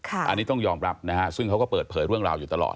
อันนี้ต้องยอมรับนะฮะซึ่งเขาก็เปิดเผยเรื่องราวอยู่ตลอด